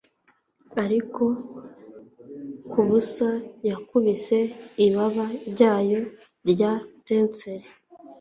ariko kubusa yakubise ibaba ryayo rya tinsel